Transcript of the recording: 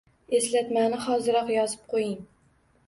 Eslatmani hoziroq yozib qo’ying.